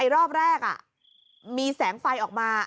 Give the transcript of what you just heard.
รอบแรกมีแสงไฟออกมา